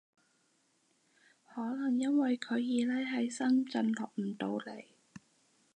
可能因為佢二奶喺深圳落唔到嚟